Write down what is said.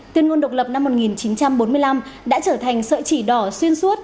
tuyên ngôn độc lập năm một nghìn chín trăm bốn mươi năm đã trở thành sợi chỉ đỏ xuyên suốt